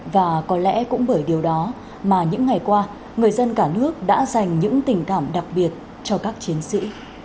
và có lẽ cũng bởi điều đó mà những ngày qua người dân cả nước đã dành những tình cảm đặc biệt cho các chiến sĩ